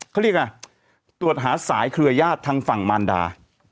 เขาเรียกอะไรตรวจหาสายเครือญาติทางฝั่งมารดา